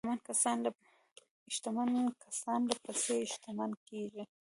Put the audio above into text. شتمن کسان لا پسې شتمن کیږي.